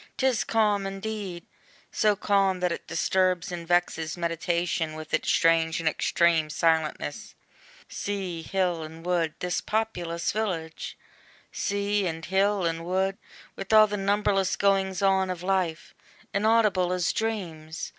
'Tis calm indeed! so calm, that it disturbs And vexes meditation with its strange And extreme silentness. Sea, hill, and wood, This populous village! Sea, and hill, and wood, With all the numberless goings on of life, Inaudible as dreams!